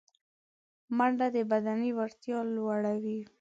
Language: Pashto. منډه د بدني وړتیا لوړوي